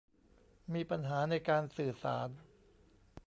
มีปัญหาในการสื่อสาร